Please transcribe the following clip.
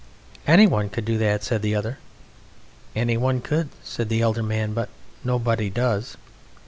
"Anyone could do that," said the other. "Anyone could," said the elder man, "but nobody does.